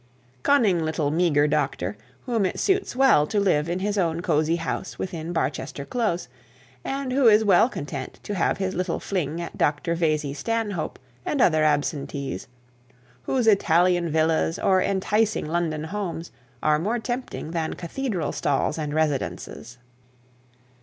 Cunning little meagre doctor, whom it suits well to live in his own cosy house within Barchester close, and who is well content to have his little fling at Dr Vesey Stanhope and other absentees, whose Italian villas, or enticing London homes, are more tempting than cathedral stalls and residences!